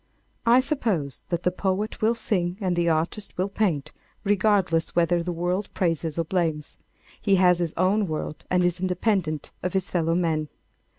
I suppose that the poet will sing and the artist will paint regardless whether the world praises or blames. He has his own world and is independent of his fellow men.